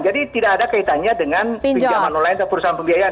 jadi tidak ada kaitannya dengan pinjaman online atau perusahaan pembiayaan